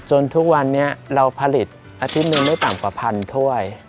ทุกวันนี้เราผลิตอาทิตย์หนึ่งไม่ต่ำกว่าพันถ้วย